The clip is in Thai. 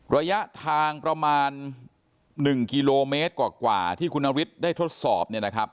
ระยะทางประมาณ๑กิโลเมตรกว่าที่คุณนาวิทย์ได้ทดสอบ